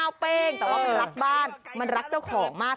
มันรับบ้านมันรักเจ้าของมาก